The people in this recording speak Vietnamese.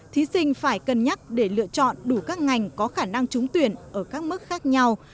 thí sinh phải cân nhắc để lựa chọn đủ các ngành có khả năng trúng tuyển ở các mức khác nhau